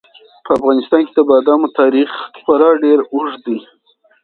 په افغانستان کې د بادامو تاریخ خورا ډېر اوږد دی.